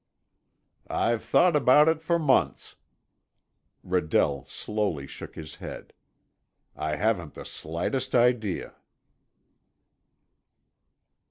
"I've thought about it for months." Redell slowly shook his head. "I haven't the slightest idea."